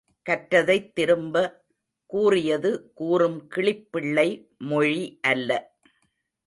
கற்றதைத் திரும்ப, கூறியது கூறும் கிளிப்பிள்ளை மொழி அல்ல!